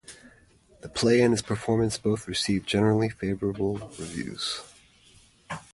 The play and his performance both received generally favorable reviews.